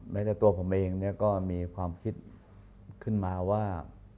แม้แต่ตัวผมเองก็มีความคิดขึ้นมาว่า